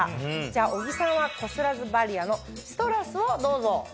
じゃあ小木さんは「こすらずバリア」のシトラスをどうぞ。